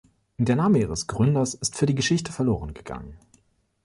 Der Name ihres Gründers ist für die Geschichte verloren gegangen.